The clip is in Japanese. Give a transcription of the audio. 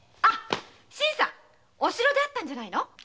新さん！お城で会ったんじゃないの？